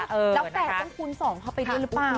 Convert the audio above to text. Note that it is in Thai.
แล้วแต่ต้องคูณ๒เข้าไปด้วยหรือเปล่า